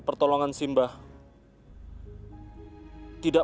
pergi ke sana